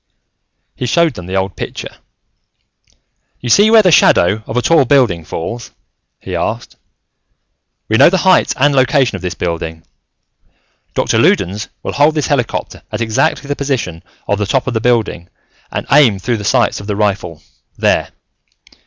He showed them the old picture. "You see where the shadow of a tall building falls?" he asked. "We know the height and location of this building. Doctor Loudons will hold this helicopter at exactly the position of the top of the building and aim through the sights of the rifle, there.